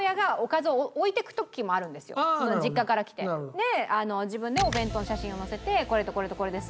で自分でお弁当の写真を載せてこれとこれとこれです。